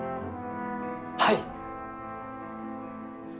はい！